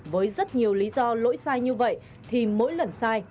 với rất nhiều lý do lỗi sai như vậy thì mỗi lần sai